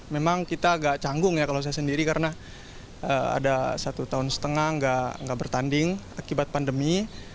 memang kita agak canggung ya kalau saya sendiri karena ada satu tahun setengah nggak bertanding akibat pandemi